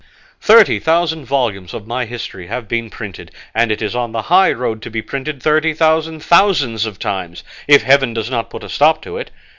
Thirty thousand volumes of my history have been printed, and it is on the high road to be printed thirty thousand thousands of times, if heaven does not put a stop to it.